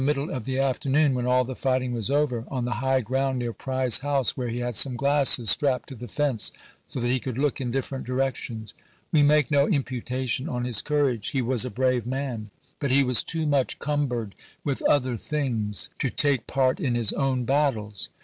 middle of the afternoon, when all the fighting was paihey, over, on the high ground near Pry's house, where he ami^Fred^ had some glasses strapped to the fence, so that he ^'^^p! Tigf' could look in different directions." We make no imputation on his courage ; he was a brave man ; but he was too much cumbered with other things to take part in his own battles.